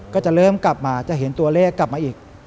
ก็จะเริ่มกลับมาจะเห็นตัวเลขกลับมาอีก